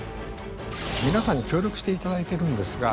皆さんに協力して頂いてるんですが。